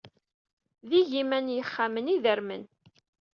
D igiman n yixxamen ay idermen.